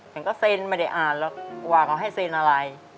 ฉันก็เซ็นไม่ได้อ่านหรอกว่าเขาให้เซ็นอะไร